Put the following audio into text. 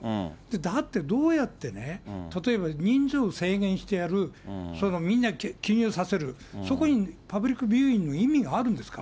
だって、どうやってね、例えば人数を制限してやる、そのみんなさせる、そこにパブリックビューイングの意味があるんですか？